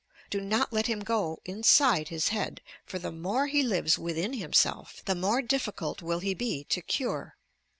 Do not let him go inside his head, for the more he lives within himself, the more difficult will he be to cure.